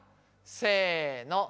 せの。